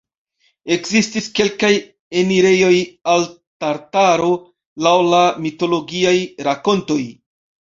Ekzistis kelkaj enirejoj al Tartaro, laŭ la mitologiaj rakontoj.